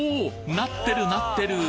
なってるなってる！